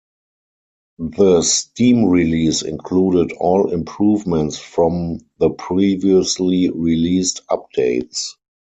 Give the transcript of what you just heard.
The Steam release included all improvements from the previously-released updates.